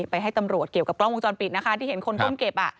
ไปให้ตำรวจเกี่ยวกับกล้องวงจรปิดนะคะ